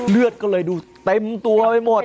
เลือดก็เลยดูเต็มตัวไปหมด